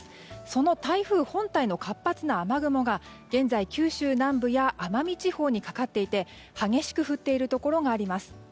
その台風本体の活発な雨雲が現在、九州南部や奄美地方にかかっていて激しく降っているところがあります。